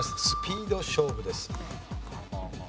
スピード勝負です。